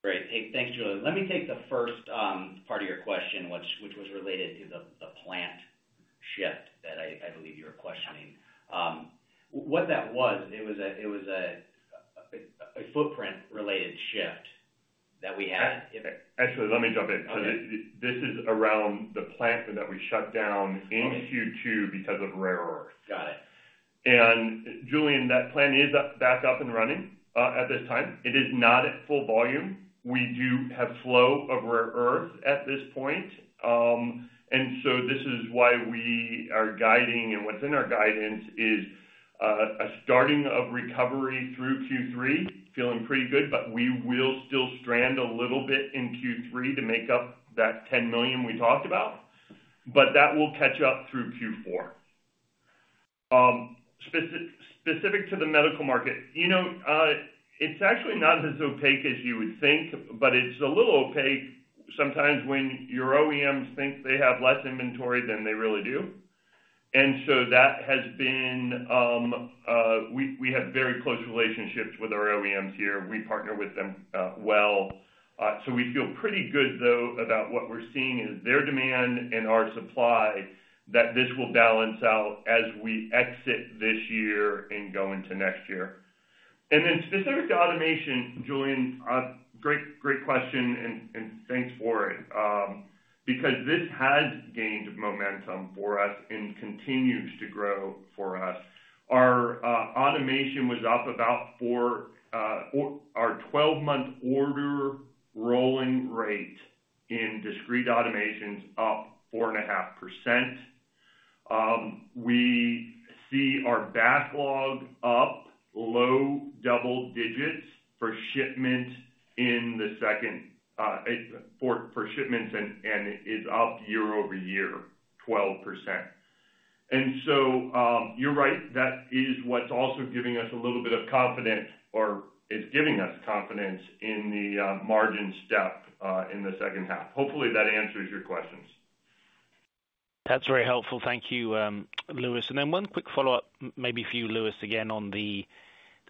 Right. Hey, thanks, Julian. Let me take the first part of your question, which was related to the plant shift that I believe you were questioning. What that was, it was a footprint-related shift that we had. Let me jump in. This is around the plant that we shut down in Q2 because of rare earth. Got it. Julian, that plant is back up and running at this time. It is not at full volume. We do have flow of rare earth at this point. This is why we are guiding, and what's in our guidance is a starting of recovery through Q3, feeling pretty good, but we will still strand a little bit in Q3 to make up that $10 million we talked about. That will catch up through Q4. Specific to the medical market, it's actually not as opaque as you would think, but it's a little opaque sometimes when your OEMs think they have less inventory than they really do. That has been, we have very close relationships with our OEMs here. We partner with them well. We feel pretty good, though, about what we're seeing is their demand and our supply that this will balance out as we exit this year and go into next year. Specific to automation, Julian, great question, and thanks for it, because this has gained momentum for us and continues to grow for us. Our automation was up about four, our 12-month order rolling rate in discrete automation is up 4.5%. We see our backlog up low double digits for shipments, and it's up year-over-year, 12%. You're right. That is what's also giving us a little bit of confidence, or it's giving us confidence in the margin step in the second half. Hopefully, that answers your questions. That's very helpful. Thank you, Louis. One quick follow-up, maybe for you, Louis, again on the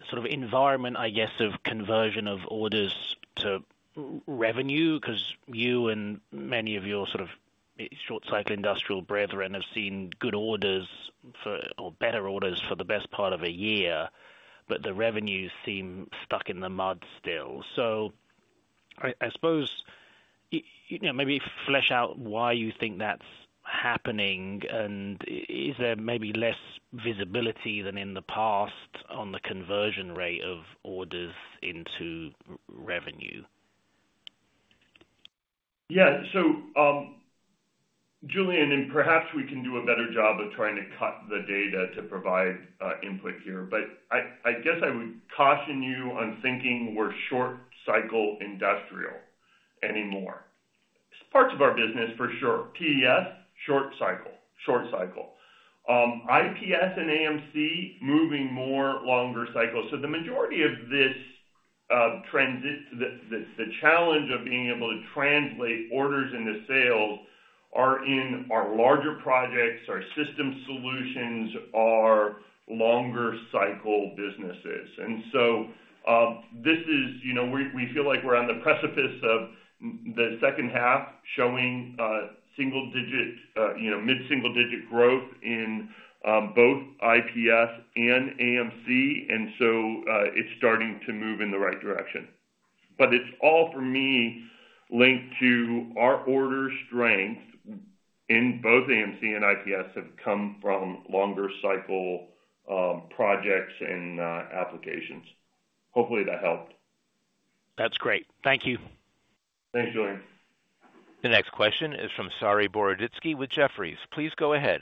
sort of environment, I guess, of conversion of orders to revenue because you and many of your sort of short-cycle industrial brethren have seen good orders for, or better orders for the best part of a year, but the revenues seem stuck in the mud still. I suppose, you know, maybe flesh out why you think that's happening and is there maybe less visibility than in the past on the conversion rate of orders into revenue? Yeah. Julian, and perhaps we can do a better job of trying to cut the data to provide input here. I guess I would caution you on thinking we're short-cycle industrial anymore. It's parts of our business for sure. PES, short cycle, short cycle. IPS and AMC, moving more longer cycles. The majority of this, the challenge of being able to translate orders into sales, are in our larger projects, our system solutions, our longer cycle businesses. This is, you know, we feel like we're on the precipice of the second half showing single-digit, you know, mid-single-digit growth in both IPS and AMC. It's starting to move in the right direction. It's all, for me, linked to our order strength in both AMC and IPS have come from longer cycle projects and applications. Hopefully, that helped. That's great. Thank you. Thanks, Julian. The next question is from Saree Boroditsky with Jefferies. Please go ahead.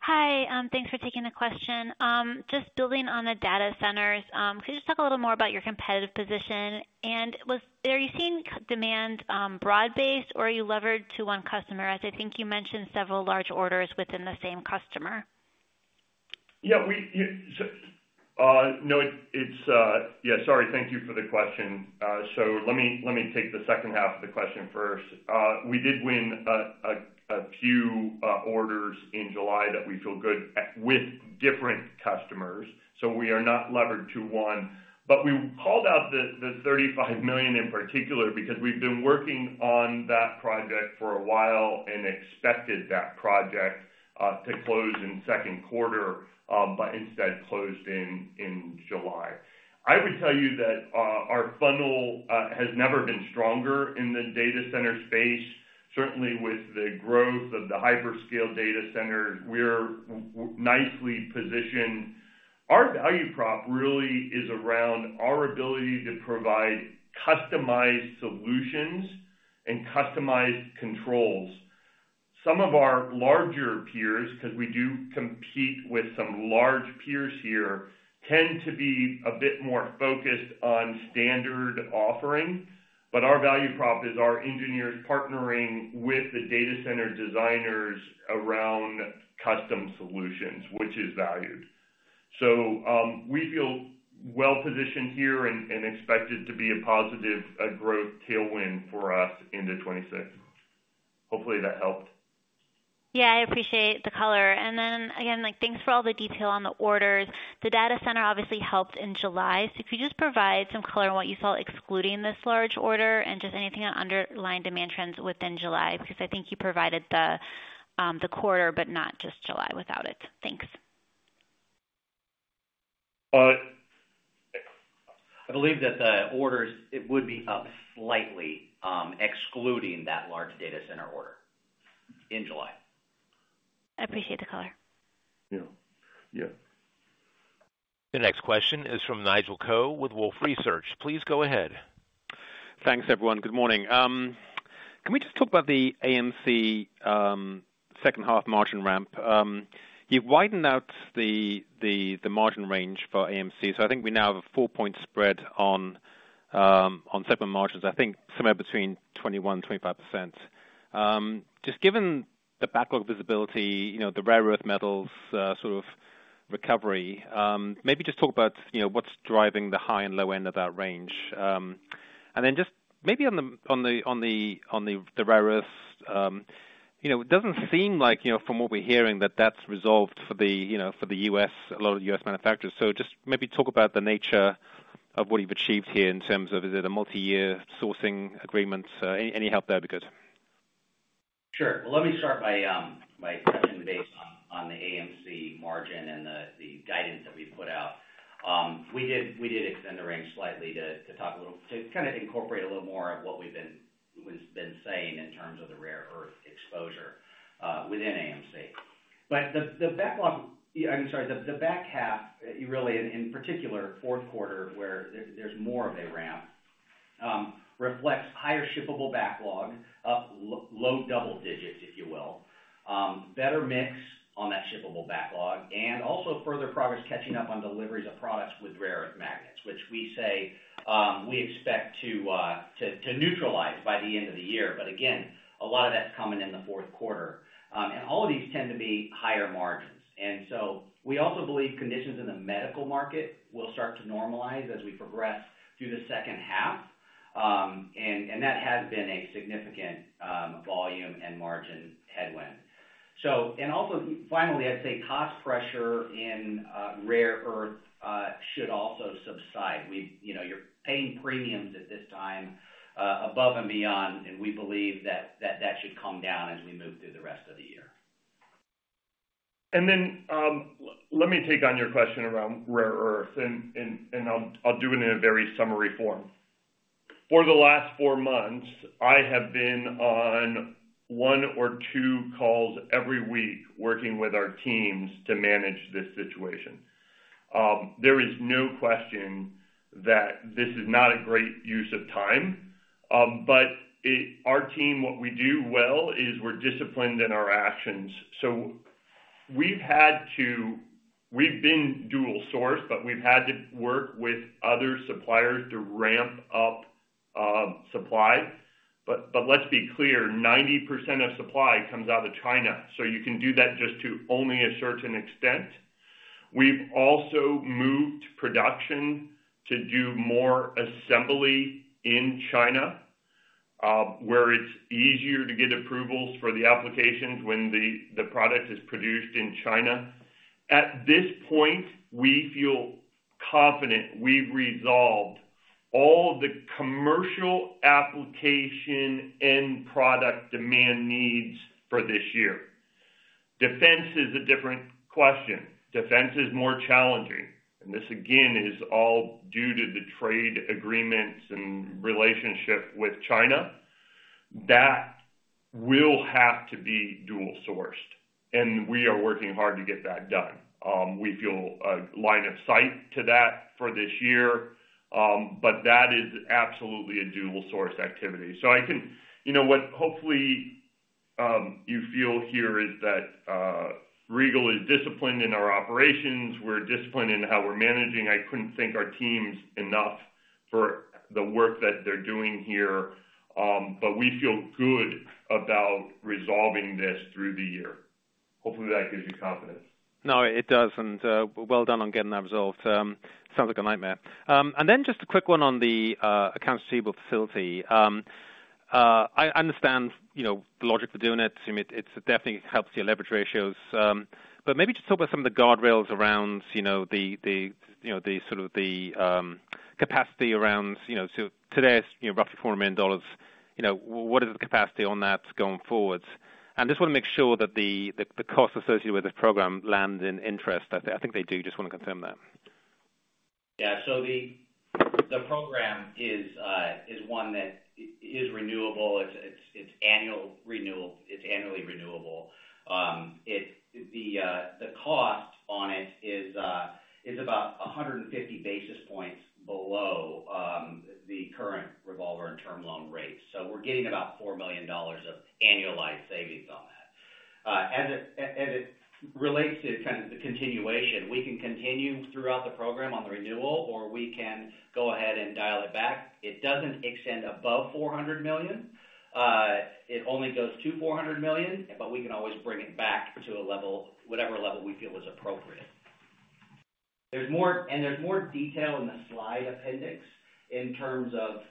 Hi. Thanks for taking the question. Just building on the data centers, could you talk a little more about your competitive position? Are you seeing demand broad-based, or are you levered to one customer, as I think you mentioned several large orders within the same customer? Thank you for the question. Let me take the second half of the question first. We did win a few orders in July that we feel good with different customers. We are not levered to one. We called out the $35 million in particular because we've been working on that project for a while and expected that project to close in the second quarter, but instead closed in July. I would tell you that our funnel has never been stronger in the data center space. Certainly, with the growth of the hyperscale data centers, we're nicely positioned. Our value prop really is around our ability to provide customized solutions and customized controls. Some of our larger peers, because we do compete with some large peers here, tend to be a bit more focused on standard offerings. Our value prop is our engineers partnering with the data center designers around custom solutions, which is valued. We feel well positioned here and expect it to be a positive growth tailwind for us into 2026. Hopefully, that helped. I appreciate the color. Thanks for all the detail on the orders. The data center obviously helped in July. If you could just provide some color on what you saw excluding this large order and anything to underline demand trends within July, because I think you provided the quarter, but not just July without it. Thanks. I believe that the orders would be up slightly, excluding that large data center order in July. I appreciate the color. Yeah. Yeah. The next question is from Nigel Coe with Wolfe Research. Please go ahead. Thanks, everyone. Good morning. Can we just talk about the AMC second half margin ramp? You widened out the margin range for AMC. I think we now have a four-point spread on segment margins, I think somewhere between 21% and 25%. Just given the backlog visibility, the rare earth metals sort of recovery, maybe just talk about what's driving the high and low end of that range. Just maybe on the rare earths, it doesn't seem like, from what we're hearing, that that's resolved for the U.S., a lot of U.S. manufacturers. Maybe talk about the nature of what you've achieved here in terms of, is it a multi-year sourcing agreement? Any help there would be good. Sure. Let me start primarily based on the AMC margin and the guidance that we put out. We did extend the range slightly to talk a little, to kind of incorporate a little more of what we've been saying in terms of the rare earth exposure within AMC. The backlog, I'm sorry, the back half, in particular, fourth quarter, where there's more of a ramp, reflects higher shippable backlog, up low double digits, if you will, better mix on that shippable backlog, and also further progress catching up on deliveries of products with rare earth magnets, which we say we expect to neutralize by the end of the year. A lot of that's coming in the fourth quarter. All of these tend to be higher margins. We also believe conditions in the medical market will start to normalize as we progress through the second half. That has been a significant volume and margin headwind. Finally, I'd say cost pressure in rare earth should also subside. You're paying premiums at this time above and beyond, and we believe that should come down as we move through the rest of the year. Let me take on your question around rare earth, and I'll do it in a very summary form. For the last four months, I have been on one or two calls every week working with our teams to manage this situation. There is no question that this is not a great use of time. Our team, what we do well is we're disciplined in our actions. We've been dual sourced, but we've had to work with other suppliers to ramp up supply. Let's be clear, 90% of supply comes out of China. You can do that just to only a certain extent. We've also moved production to do more assembly in China, where it's easier to get approvals for the applications when the product is produced in China. At this point, we feel confident we've resolved all of the commercial application and product demand needs for this year. Defense is a different question. Defense is more challenging. This again is all due to the trade agreements and relationship with China. That will have to be dual sourced. We are working hard to get that done. We feel a line of sight to that for this year. That is absolutely a dual source activity. I think what hopefully you feel here is that Regal Rexnord is disciplined in our operations. We're disciplined in how we're managing. I couldn't thank our teams enough for the work that they're doing here. We feel good about resolving this through the year. Hopefully, that gives you confidence. It does. Well done on getting that resolved. Sounds like a nightmare. Just a quick one on the accounts receivable securitization facility. I understand the logic for doing it. It definitely helps your leverage ratios. Maybe just talk about some of the guardrails around the capacity, so today's roughly $400 million. What is the capacity on that going forward? I just want to make sure that the costs associated with this program land in interest. I think they do. Just want to confirm that. Yeah, so the program is one that is renewable. It's annually renewable. The cost on it is about 150 basis points below the current revolver and term loan rates. We're getting about $4 million of annualized savings on that. As it relates to kind of the continuation, we can continue throughout the program on the renewal, or we can go ahead and dial it back. It doesn't extend above $400 million. It only goes to $400 million, but we can always bring it back to a level, whatever level we feel is appropriate. There's more detail in the slide appendix in terms of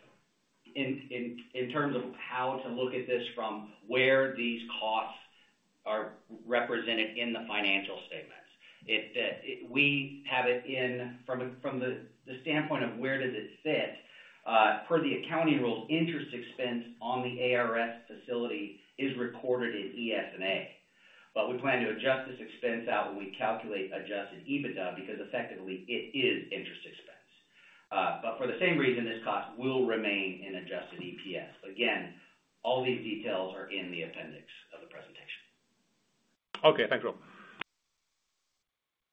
how to look at this from where these costs are represented in the financial statements. We have it in from the standpoint of where did it fit. Per the accounting rule, interest expense on the accounts receivable securitization facility is recorded in ES&A. We plan to adjust this expense out when we calculate adjusted EBITDA because effectively it is interest expense. For the same reason, this cost will remain in adjusted EPS. Again, all these details are in the appendix of the presentation. Okay, thanks, Will.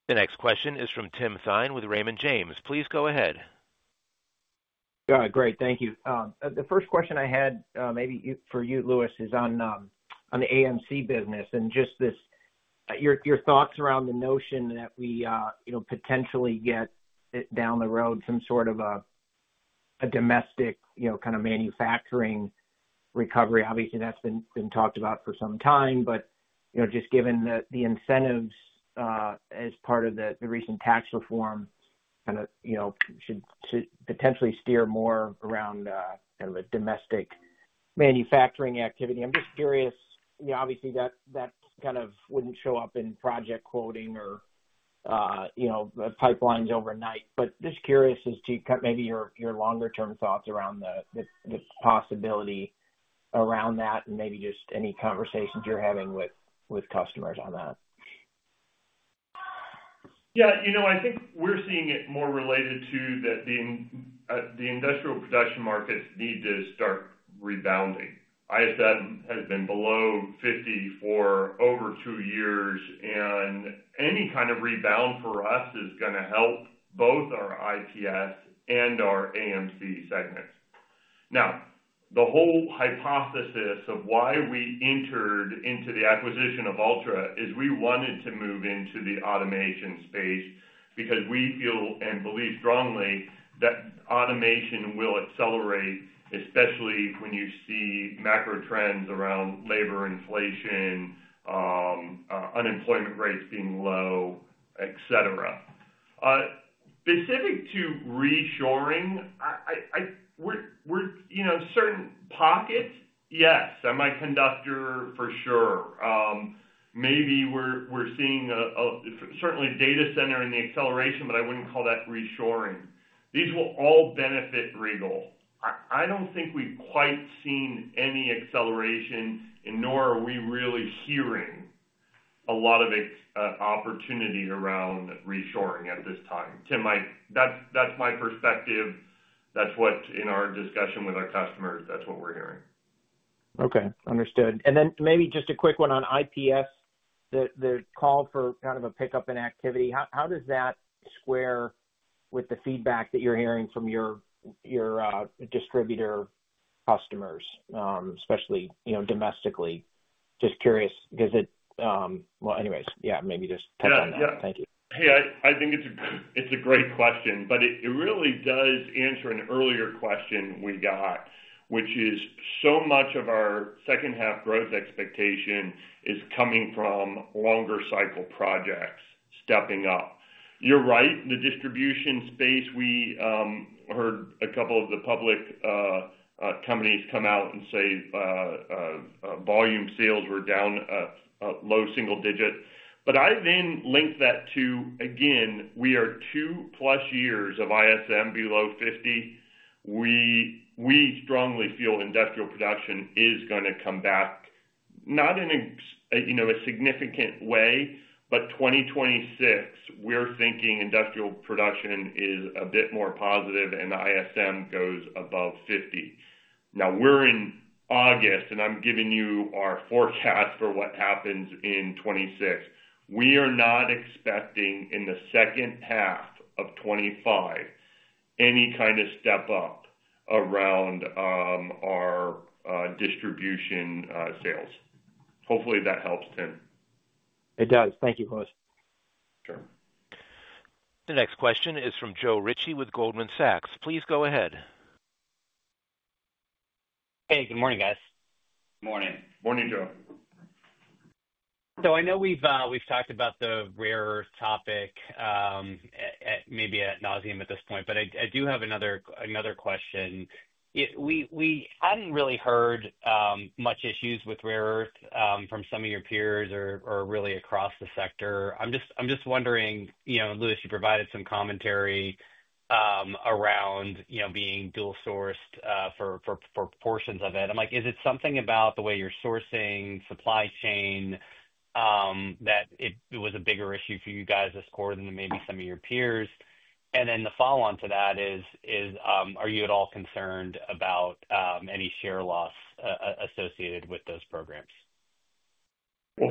The next question is from Tim Thein with Raymond James. Please go ahead. Great, thank you. The first question I had, maybe for you, Louis, is on the AMC business and just your thoughts around the notion that we potentially get down the road some sort of a domestic, you know, kind of manufacturing recovery. Obviously, that's been talked about for some time, but just given the incentives as part of the recent tax reform, kind of, you know, should potentially steer more around kind of a domestic manufacturing activity. I'm just curious, you know, obviously that kind of wouldn't show up in project quoting or pipelines overnight, but just curious as to maybe your longer-term thoughts around the possibility around that and maybe just any conversations you're having with customers on that. Yeah, you know, I think we're seeing it more related to that the industrial production markets need to start rebounding. ISM has been below 50 for over two years, and any kind of rebound for us is going to help both our IPS and our AMC segments. Now, the whole hypothesis of why we entered into the acquisition of Ultra is we wanted to move into the automation space because we feel and believe strongly that automation will accelerate, especially when you see macro trends around labor inflation, unemployment rates being low, etc. Specific to reshoring, certain pockets, yes, semiconductor for sure. Maybe we're seeing certainly data center in the acceleration, but I wouldn't call that reshoring. These will all benefit Regal. I don't think we've quite seen any acceleration, and nor are we really hearing a lot of opportunity around reshoring at this time. Tim, that's my perspective. That's what in our discussion with our customers, that's what we're hearing. Okay, understood. Maybe just a quick one on IPS, the call for kind of a pickup in activity. How does that square with the feedback that you're hearing from your distributor customers, especially, you know, domestically? Just curious, maybe just touch on that. Thank you. Yeah, I think it's a great question, but it really does answer an earlier question we got, which is so much of our second-half growth expectation is coming from longer cycle projects stepping up. You're right. The distribution space, we heard a couple of the public companies come out and say volume sales were down low single digit. I then link that to, again, we are two plus years of ISM below 50. We strongly feel industrial production is going to come back, not in a significant way, but 2026, we're thinking industrial production is a bit more positive and the ISM goes above 50. Now, we're in August, and I'm giving you our forecast for what happens in 2026. We are not expecting in the second half of 2025 any kind of step up around our distribution sales. Hopefully, that helps, Tim. It does. Thank you, Louis. Sure. The next question is from Joe Ritchie with Goldman Sachs. Please go ahead. Hey, good morning, guys. Morning, morning, Joe. I know we've talked about the rare earth topic, maybe at nauseam at this point, but I do have another question. I hadn't really heard much issues with rare earth from some of your peers or really across the sector. I'm just wondering, you know, Louis, you provided some commentary around, you know, being dual sourced for portions of it. I'm like, is it something about the way you're sourcing supply chain that it was a bigger issue for you guys this quarter than maybe some of your peers? The follow-on to that is, are you at all concerned about any share loss associated with those programs?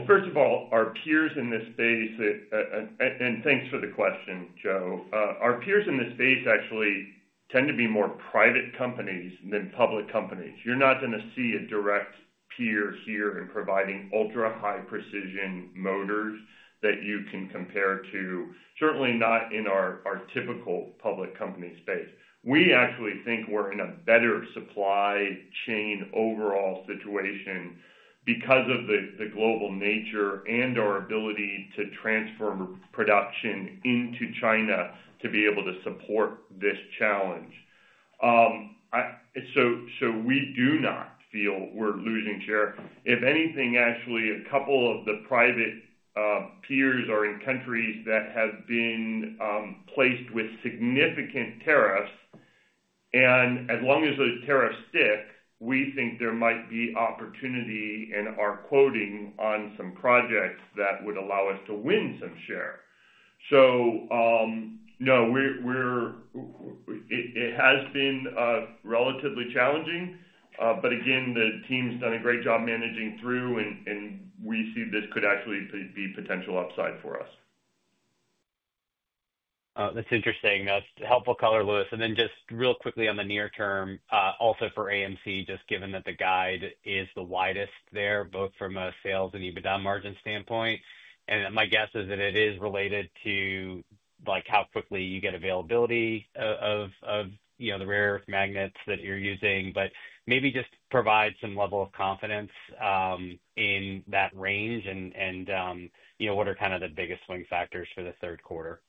First of all, our peers in this space, and thanks for the question, Joe, our peers in this space actually tend to be more private companies than public companies. You're not going to see a direct peer here in providing ultra-high precision motors that you can compare to, certainly not in our typical public company space. We actually think we're in a better supply chain overall situation because of the global nature and our ability to transform production into China to be able to support this challenge. We do not feel we're losing share. If anything, actually, a couple of the private peers are in countries that have been placed with significant tariffs. As long as those tariffs stick, we think there might be opportunity in our quoting on some projects that would allow us to win some share. It has been relatively challenging. Again, the team's done a great job managing through, and we see this could actually be potential upside for us. That's interesting. That's a helpful color, Louis. Just real quickly on the near term, also for AMC, given that the guide is the widest there, both from a sales and EBITDA margin standpoint. My guess is that it is related to how quickly you get availability of the rare earth magnets that you're using. Maybe just provide some level of confidence in that range and what are kind of the biggest swing factors for the third quarter.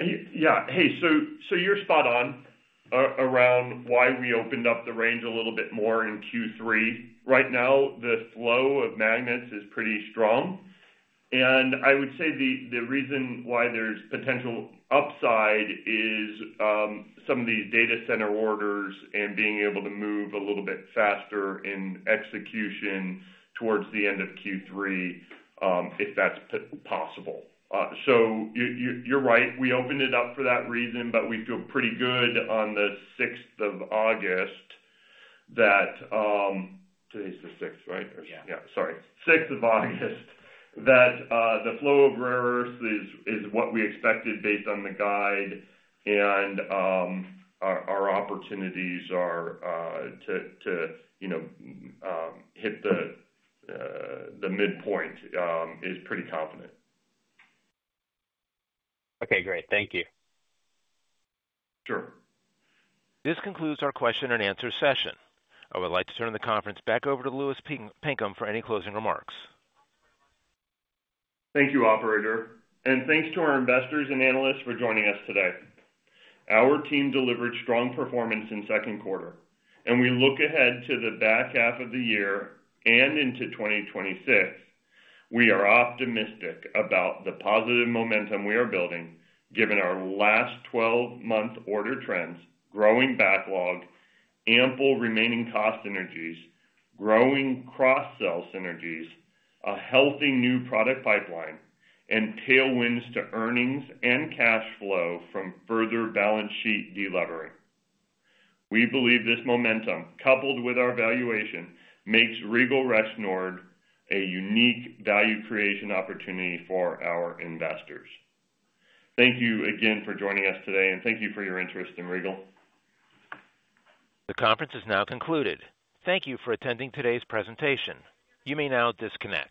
Yeah, you're spot on around why we opened up the range a little bit more in Q3. Right now, the flow of magnets is pretty strong. I would say the reason why there's potential upside is some of the data center orders and being able to move a little bit faster in execution towards the end of Q3, if that's possible. You're right, we opened it up for that reason, but we feel pretty good on the 6th of August that. Today's the 6th, right? Yeah. Sorry. August 6th, the flow of reverse is what we expected based on the guide. Our opportunities to hit the midpoint is pretty confident. Okay, great. Thank you. Sure. This concludes our question and answer session. I would like to turn the conference back over to Louis Pinkham for any closing remarks. Thank you, Operator. Thank you to our investors and analysts for joining us today. Our team delivered strong performance in the second quarter, and we look ahead to the back half of the year and into 2026. We are optimistic about the positive momentum we are building, given our last 12-month order trends, growing backlog, ample remaining cost synergies, growing cross-sell synergies, a healthy new product pipeline, and tailwinds to earnings and cash flow from further balance sheet delevering. We believe this momentum, coupled with our valuation, makes Regal Rexnord a unique value creation opportunity for our investors. Thank you again for joining us today, and thank you for your interest in Regal. The conference is now concluded. Thank you for attending today's presentation. You may now disconnect.